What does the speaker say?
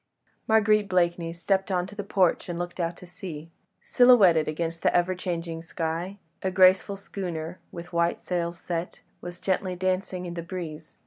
Marguerite Blakeney stepped on to the porch and looked out to sea. Silhouetted against the ever changing sky, a graceful schooner, with white sails set, was gently dancing in the breeze.